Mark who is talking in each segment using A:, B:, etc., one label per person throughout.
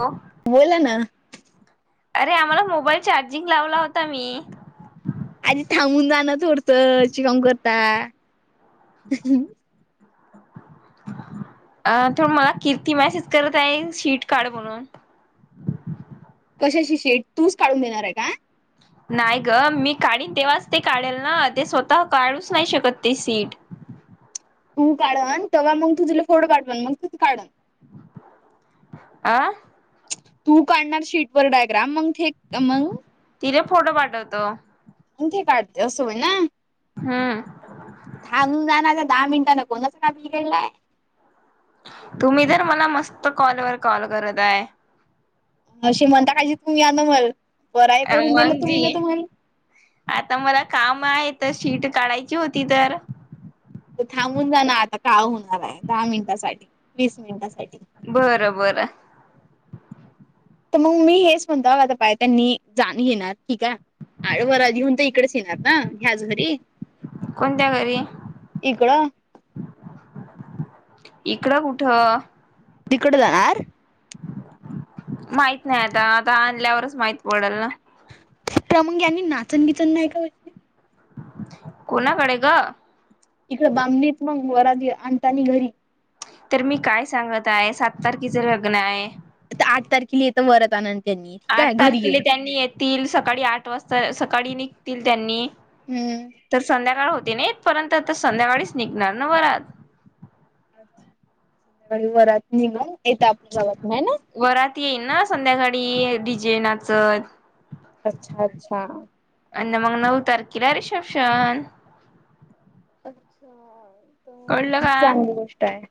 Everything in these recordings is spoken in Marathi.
A: ह.
B: बोला ना.
A: अरे आम्हाला मोबाईल चार्जिंग लावला होता मी
B: आधी थांबून जाणं थोडतं शिकाम करता.
A: अ थोड मला कीर्ती मॅसेज करत आहे शीट काढ म्हणून
B: कशाशी शेड तूच काढून देणार आहे का.
A: नाही ग मी काढन तेव्हाच ते काढेल ना ते स्वतः काढूच नाही शकत ते सीट.
B: तू काढन तेव्हा मग तुझला फोटो पाठवन मग तू काढून.
A: आं.
B: तू काढणार शीट वर डायग्राम मग थेक मग.
A: तिथ फोटो पाठवतो.
B: कोथे काढते असं होई ना
A: हम्म
B: धबून जाणार. दहा मिनिटा न कोसं का बिघेडलाय
A: तुम्ही तरर मला मस्त कॉलवरर कॉल करत आहे.
B: अ म्हणता काजी तुम्ही आलं मला परय करून दिलं
A: मग
B: तुम्ही ना
A: जी
B: त मला
A: आता मला काम आहे तर शीट काढायची होती तर
B: तर थांबून जा ना आता का होणार आहे. दहा मिनिटासाठी वीस मिनिटासाठी.
A: बरं बर
B: तर मग मी हेच म्हणता आता पाय त्यांनी जाण घेणार ठीक आहे आव. लहून तर इकडेच येणार ना घ्याज घरी
A: कोणत्या घरी
B: इकडं
A: इकडं कुठ.
B: तिकट द नाणार
A: माहित नाही आता आता आणल्यावरच माहित पडेल ना
B: त्या मग यांनी नाचण बिचण नाही का.
A: कोणा पडेग
B: इकडे बांमणीत मग वर आणताानी घरी
A: तर मी काय सांगत आहे सात तारखेच लग्न आहे.
B: तर आठ तारखेला येतं वरत आनंत
A: आठ तारखेला त्यांनी येत. निघतील सकाळी आठ वाजता सकाळी निघतील त्यांनी
B: हम्म.
A: तर संध्याकाळ होते नाही परर्यंत आता संध्याकाळीच निघणार ना बरात.
B: अच्छ संध्याकाळी वरात निघून येत आपल्या जवात नाही ना
A: वरात येईल ना संध्याकाळी डिजे नाचत.
B: अच्छा अच्छा.
A: आणि मग नऊ तारखेला रिसेप्शन
B: अच्छा
A: कळलं का
B: चांगली गोष्ट आहे.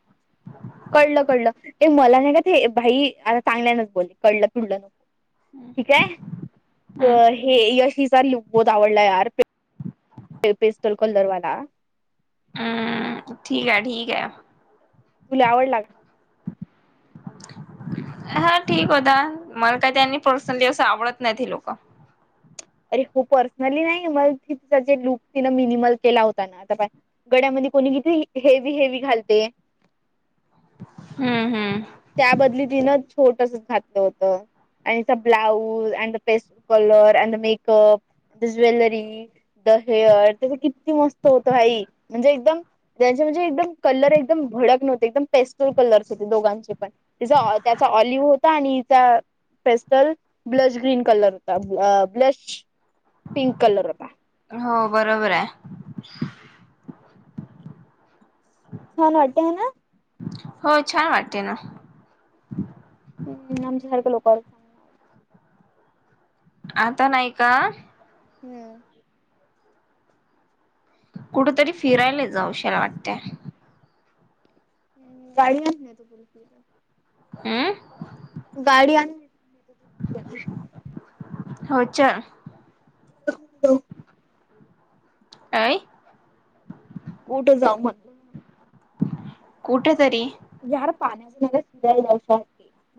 B: कळलं कळलं ते मला नाही का ते भाई आता चांगल्यानच बोलले कळलं फुडलं नको. ठीक आहे
A: हम्म
B: अ हे यशीचा ल बोत आवडला यार पिस्टल कलर वाला.
A: हम्म ठीक आहे ठीक आहे.
B: तुला आवडला का
A: हा ठीक होता मला काय त्यांनी पर्सनली असं आवडत नाही लोक
B: अरे हो पर्सनली नाही मग त ति जे लुक तिन मिनिमल केला होता ना आता गड्यामध्ये कोणी किथ हेवी हेवी घालते.
A: हम्म हम्म!
B: त्या बदली तिनं छोटच घातलं होत. आणि स ब्लाऊज [unintelligible] द हेअर त्याच किती मस्त होत भाई! म्हणजे एकदम त्यांचे म्हणजे एकदम कलर एकदम भडक नव्हते एकदम पेस्टल कलर्स होते दोघांचे त्याचा ऑलिव्ह आणिचा पेस्टल ब्लश ग्रीन कलर होता ब्लश पिंक कलर होता.
A: हो बरोबर आहे. [unintelligible]
B: छान वाटते हाय ना?
A: हो छान वाटते ना.
B: हम् आमच्या सारख्या लोकांना.
A: आता नाही का?
B: हम्म!
A: कुठेतरी फिरायला जाऊशाला वाटतय.
B: गाडी न याच तोपर्यंत
A: आ!
B: गाडी आणि
A: हो अच्छा!
B: हो!
A: काय?
B: कुठं जाऊ म्हटला?
A: कुठ तरी!
B: यार पाण्याचा फिरायला जाऊ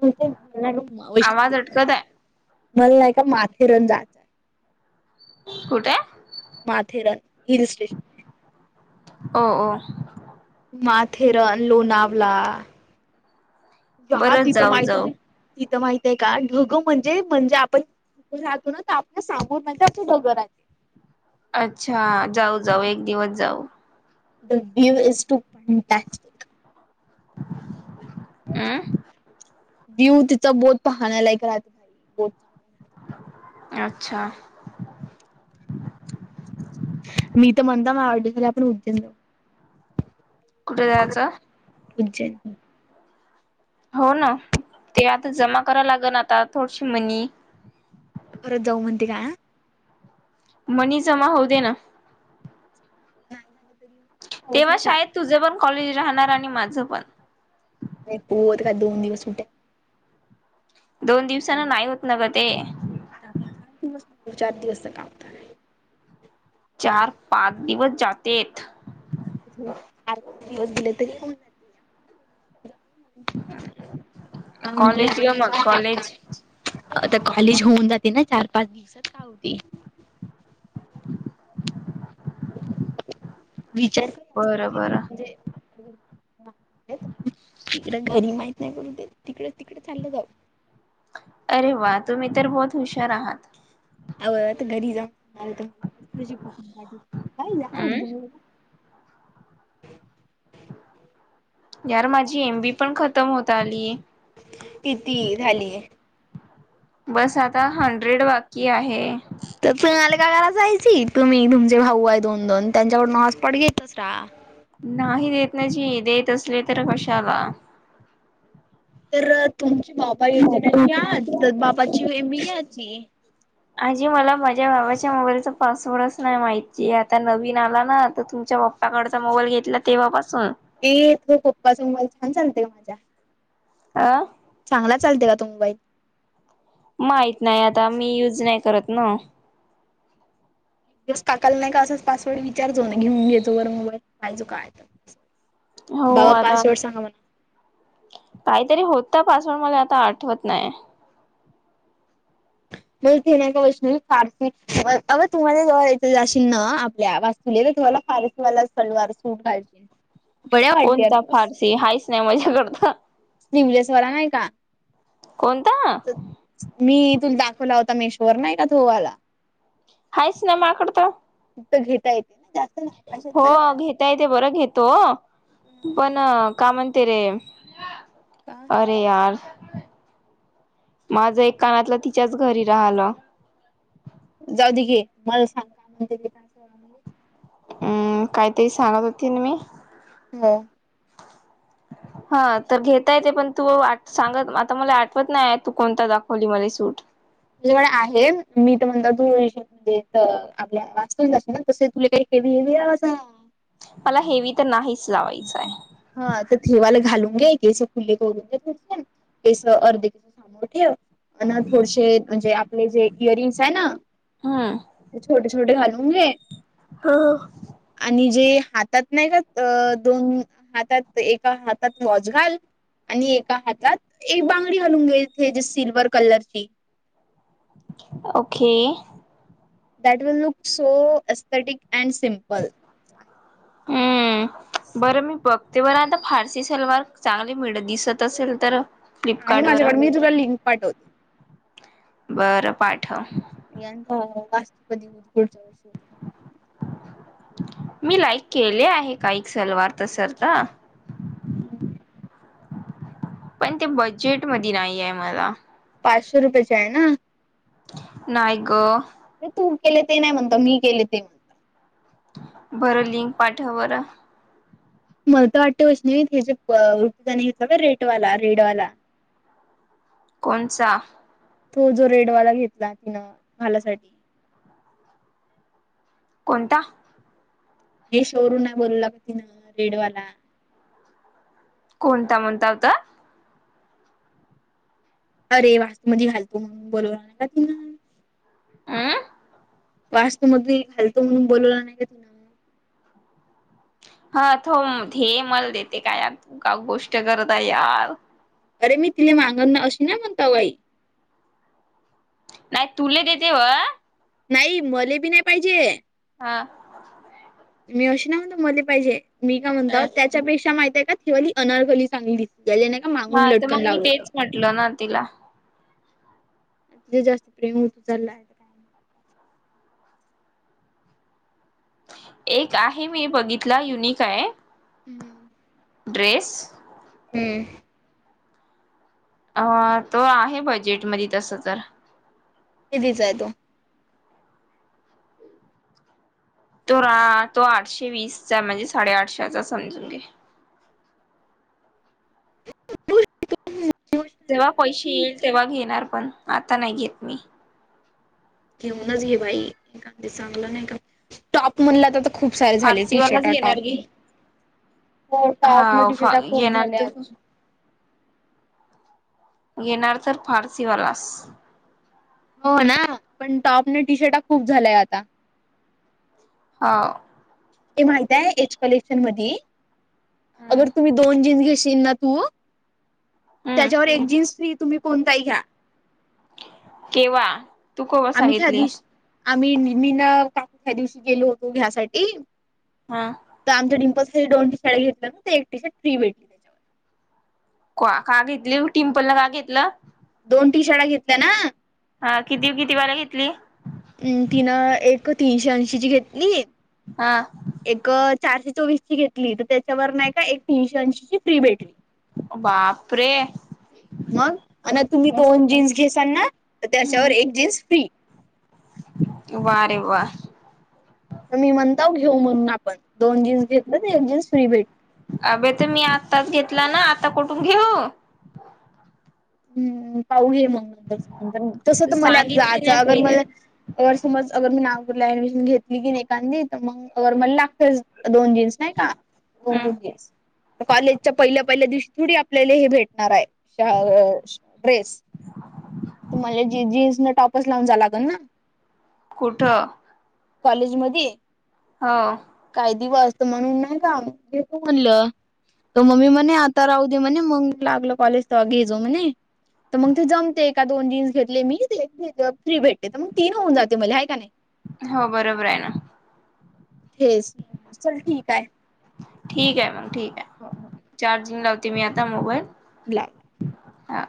B: पण ते म्हणव
A: आवाज
B: म्हण
A: अटकत आहे
B: नाहीय का माथेरन जायचं.
A: कुठे?
B: Matheran hill station!
A: हो!
B: माथेरन, लोणावला या
A: बरं
B: तिथं
A: जाऊ
B: माहित
A: जाऊ
B: आहे तिथं माहित आहे का घगं म्हणजे म्हणजे आपण राहतो ना आपल्या सांगून अशी मगर आली.
A: अच्छा जाऊ जाऊ एक दिवस जाऊ!
B: [unintelligible]
A: आ?
B: व्ह्यू तिचं बोत पाहण्या लायक राहते. भाई बोत
A: अच्छा!
B: मी तर म्हणता ना आपण उज्जैन जाऊ.
A: कुठे जायचं?
B: उज्जैन
A: हो ना ते आता जमा कराय लाग ना आता थोडीशी मनी.
B: परत जाऊ म्हणते काय?
A: मणी जमा होऊ दे ना!
B: नाय झालं तरी पाऊस
A: तेव्हा
B: नाही का
A: शाळेत तुझं पण कॉलेज राहणार आणि माझं पण.
B: नाहीत का दोन दिवस कुठे
A: दोन दिवसाना नाही होत न ग ते.
B: आपण चार दिवस चार दिवसच काम करू.
A: चार पाच दिवस जातेत.
B: चार पाच दिवस गेले तरी जाते का म्हणजे
A: कॉलेज ग मग कॉलेज?
B: आता कॉलेज होऊन जाते ना चार-पाच दिवसात का होते. विचार [inaudible]
A: बरं बरं
B: म्हणजे [inaudible] तिकडे घरी माहित नाही करून ते तिकडे तिकडे चाललं जाऊ.
A: अरे वा तुम्ही तर बहुत हुशार आहात.
B: आवड आता घरी जाऊन [inaudible] खुशी खुशी.
A: हम्म
B: [unintelligible]
A: यार माझी एम बी पण खतम होत आलीय.
B: किती झालीय
A: बस आता हंड्रेड बाकी आहे.
B: तर तुम्हाला का घरा जायची तुम्ही तुमचे भाऊ आहे दोन-दोन त्यांच्याकडून हॉसपॉट घेतस रा.
A: नाही देत नाहीची देत असले तर कशाला
B: तर तुमची बाबा येेतनयाची आज तर बाबाचीे मी घ्याची.
A: आजी मला माझ्या बाबाच्या मोबाईलचा पासवर्डच नाही माहिती आहे आता नवीन आला ना आता तुमच्या बा पाकडचा मोबाईल घेतला तेव्हापासून
B: ये तो पप्पा समोर छान चालतेय का माझा
A: आं
B: चांगला चालते का तो मोबाईल?
A: माहित नाही आता मी युज नाय करत ना.
B: दिवस काकाला नाही का असंच पासवर्ड विचारचो ना घेऊन घेतो वर मोबाईल पायजो काय
A: हो
B: बाबा
A: आता
B: पासवर्ड सांगा मला.
A: काहीतरी होता पासवर्ड मला आता आठवत नाही.
B: मग ते नाय का वैष्णवी फारसी सोबत अगं तुम्हाला जवळ येतील जाशील न आपल्या वा [unintelligible] तुम्हाला फारसी वाला सलवार सूट घ्याचे.
A: कोणता फारसी हाहीच नाही माझ्याकडता.
B: स्लीवलेसवाला नाही का?
A: कोणता
B: मी तुला दाखवला होता मेशवर नाही का तो वाला.
A: हायेच नाय मा कडे तो.
B: तर घेता येत जास
A: हो घेता येते बरं घेतो पण ना का म्हणते
B: काय
A: अरे यार माझं एक कानातलं तिच्याच घरी राहिलं.
B: जाऊ दे की मला सांग. [inaudible] स
A: हम्म, काहीतरी सांगत होती ना मी?
B: हो
A: हा तर घेता येते पण तू आठ सांगत आता मला आठवत नाही तू कोणता दाखवली माली सूट.
B: तुझ्याकडे आहे मी तर म्हणत तू ही शक देतं आपल्या वाचकून जाशे तसे तुला काही केवी हे या असं
A: मला हेवी तर नाहीच लावायचं आहे.
B: हा तर ठेवाला घालून घे केसं खुले करून घे केसं अर्ध केसं मोठी हवं हा ना थोडशे म्हणजे आपले जे इयरिंग्स आहे ना छोटे छोटे घालून घे.
A: हा.
B: आणि जे हातात नाही का अ दोन हातात एका हातात वॉच घाल आणि एका हातात एक बांगडी घालून घेईलथे जे सिल्वर कलरची
A: ओके.
B: [unintelligible]
A: हम्म बरं मी पक ते बरं आता फारसी सलवार चांगली मिळ दिसत असेल तर
B: आहे
A: फ्लिपकार्ट वर
B: माझ्याकडे मी तुला लिंक पाठवते
A: बरं पाठव
B: यांचा वास्त्रपदी होती पुढच्या वर्षी होती
A: मी लाईक केले आहे काही सलवार तरसर तर
B: हम्
A: पण ते बजेट मध नाही आहे मला
B: पाचशो रुपयेचा आहे ना
A: नाहिग
B: ते तू केले ते नाही म्हणत मी केले ते
A: बरं लिंक पाठ बर
B: मलत वाटतेवच नाही हे जे टीनी घेतलं का रेडवाला रेडवाला [inaudible]
A: कोणचा
B: तो जो रेडवाला घेतला तिनं भालासाठी
A: कोणता
B: हे शोरूम नाही बोल लाग तिनं रेडवाला
A: कोणता म्हणतात
B: अरे वास्तू मजे घालतो म्हणून बोल का तु
A: अं
B: वास्तू मध घालतो म्हणून बोलवला नाही
A: हा तो मल देते काय त का गोष्ट करता यार
B: अरे मी तिला माांगन ना अशी ना म्हणता बाई
A: नाही तुला देते व
B: नाही मले बी नाही पाहिजे
A: हा
B: मी अशी ना म्हणतो मध्ये पाहिजे मी का म्हणत त्या त्याच्यापेक्षा माहितय का िवाली अनरखली चांगली त्या नाही का मागून लटकन लावलं होत
A: भेटलं ना तिला
B: जे जास्त प्रेम उतु चंलाय
A: एक आहे मी बघितला युनिक आहे
B: हम् हम
A: ड्रेस
B: हम्म
A: अ तो आहे बजेटमध्ये तस तर
B: ते दिच आहे तो
A: तो रा तो आठशे वीसचा म्हणजे साडेआठशेचा समजून घे जेव्हा पैसे येईल तेव्हा घेणार पण आता नाही घेत मी
B: घेऊनच घ बाई एखदी चांगलं नाही टॉप म्हणलं आ खूप सारे झाले टी
A: फारसीवालाच
B: शर्ट
A: घेणार
B: टॉप
A: घे
B: घेन हो टप
A: हा
B: नटि
A: फा
B: सटा खूप
A: घेणार
B: झाले
A: तर
B: आता
A: येेणार तर फारसीवालासम
B: हो ना पण टॉप न टी शर्टा खूप झालंय आता
A: हो
B: ते माहित आहे एच कलेक्शन मध्ये
A: हम्म
B: अगर तुम्ही दोन जीन्स घेशील ना तू
A: हम्म
B: त्याच्यावर एक जीन्स फ्री तुम्ही कोणताही घ्या
A: केव्हा तू केव्हा
B: आम्ही त्या
A: सांगितली
B: दिवशी आम्ही मी ना का त्या दिवशी गेलो होतो घ्यासाठी
A: हा
B: तर आमच्या डमपल हे दोनी शाळे घेतले ना तर एक टी शर्ट फ्री भेटली त्याच्यावर
A: का घेतली टिम्पल न का घेतलं
B: दोन टी शाळा घेतल्या ना.
A: हा किती किती वार घेतली.
B: म तिनं एक तीनशे ऐंशीची घेतली.
A: हा.
B: एक चारशे चोवीस ची घेतली तर त्याच्यावर नाही का एक तीनशे ऐंशी ची फ्री बेटरी.
A: बापरे.
B: मग आणि तुम्ही
A: मस्त
B: दोन जीन्स घेसाल ना तर त्याच्यावर एक जीन्स फ्री
A: वारे वा.
B: मी म्हणताव घेऊ म्हणून आपण दोन जीन्स घेतलं तर एक जीन्स फ्री भेट.
A: अभे तर मी आत्ताच घेतला ना आता कुठून घेऊ.
B: हम्म पाहू घे मग नंतर नंतर तस
A: तू
B: तर मला आता
A: सांगितली
B: जायचं
A: नाही
B: अगर
A: पहिले
B: मला. अगर समज अगर मी नागपूरला ऍडमिशन घेतली की एकांदी. तर मग अगर मला लागते दोन जीन्स नाही का दोन
A: हम्म
B: तीन जीन्स. कॉलेजच्या पहिल्या पहिल्या दिवशी थोडी आपल्याला हे भेटणार आहे. ड्रेस त म्हला ज जीन्स न टॉपच लावून जा लागल ना.
A: कुठं
B: कॉलेज म
A: हा.
B: काही दिवस तर म्हणून नाही काजे तू म्हणलं. त मम्मी म आता राहऊ दे म्हणे मग लागल कॉज तर आगे जाऊ म्हणे. तर मग ते जमते एका दोन जीन्स घेतले मी ते फ्री भेटते तर मग तीन होऊन जाते मलाय का नाही.
A: हो बरोबर आहे ना.
B: हेच चल ठीक आहे.
A: ठीक आहे मॅम ठीक आहे.
B: हो ह.
A: चार्जिंग लावते मी आता मोबाईल
B: बला
A: हा